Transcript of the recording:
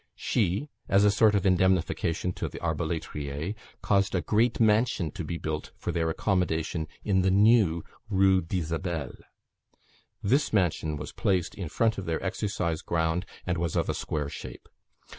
She, as a sort of indemnification to the arbaletriers, caused a "great mansion" to be built for their accommodation in the new Rue d'Isabelle. This mansion was placed in front of their exercise ground, and was of a square shape.